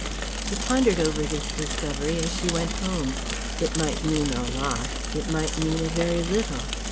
She pondered over this discovery as she went home. It might mean a lot, it might mean a very little.